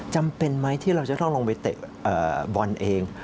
จำเป็นไหมที่เราจะต้องลงไปเตะบอลเอง